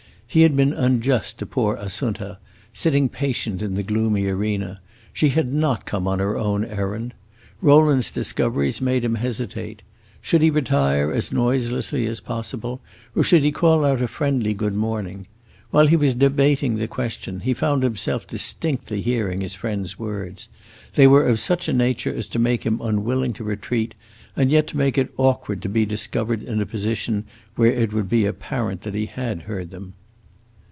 He had been unjust to poor Assunta, sitting patient in the gloomy arena; she had not come on her own errand. Rowland's discoveries made him hesitate. Should he retire as noiselessly as possible, or should he call out a friendly good morning? While he was debating the question, he found himself distinctly hearing his friends' words. They were of such a nature as to make him unwilling to retreat, and yet to make it awkward to be discovered in a position where it would be apparent that he had heard them.